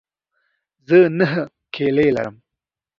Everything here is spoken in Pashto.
زه نهه کیلې لرم.